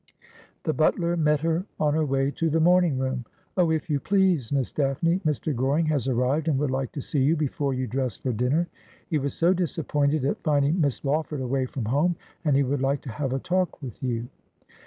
The butler met her on her way to the morning room. ' Oh, if you please. Miss Daphne, Mr. Goring has arrived, and would like to see you before you dress for dinner. He was so disappointed at finding Miss Lawford away from home, and he would like to have a talk with you.'